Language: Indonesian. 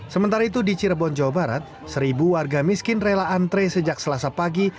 sementara itu di cirebon jawa barat seribu warga miskin rela antre sejak selasa pagi